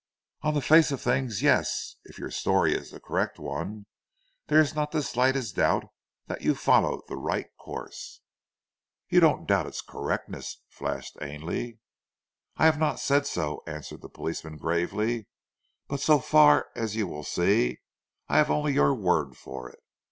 "On the face of things yes! If your story is the correct one there is not the slightest doubt that you followed the right course." "You don't doubt its correctness?" flashed Ainley. "I have not said so," answered the policeman gravely, "but so far, as you will see, I have only your word for it."